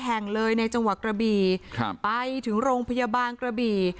แห่งเลยในจังหวัดกระบี่ไปถึงโรงพยาบาลกระบี่